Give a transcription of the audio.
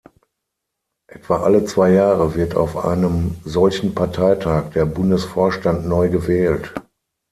Etwa alle zwei Jahre wird auf einem solchen Parteitag der Bundesvorstand neu gewählt.